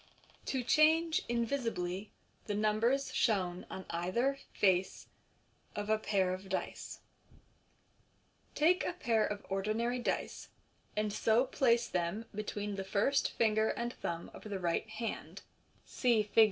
To Change, invisibly, the Numbers shown on either Face of a Pair of Dice. — Take a pair of ordinary dice, and so place them between the first ringer and thumb of the right hand (see Fig.